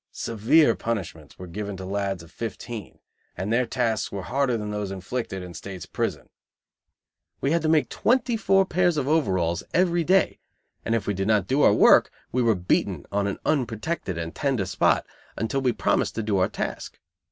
Severe punishments were given to lads of fifteen, and their tasks were harder than those inflicted in State's prison. We had to make twenty four pairs of overalls every day; and if we did not do our work we were beaten on an unprotected and tender spot until we promised to do our task.